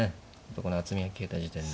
この厚みが消えた時点で。